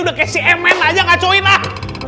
udah kayak cmn aja ngacauin ah